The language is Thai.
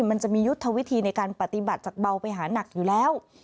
มันจะมียุทธวิธีในการปฏิบัติจากเบาไปหานักอยู่แล้ว